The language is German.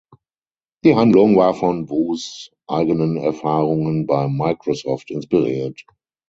Die Handlung war von Wus eigenen Erfahrungen bei Microsoft inspiriert.